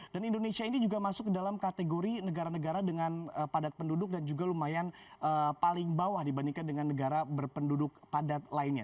dan indonesia ini juga masuk dalam kategori negara negara dengan padat penduduk dan juga lumayan paling bawah dibandingkan dengan negara berpenduduk padat lainnya